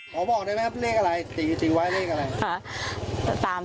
บอกได้ไหมครับเลขอะไร๔๔ไว้เลขอะไร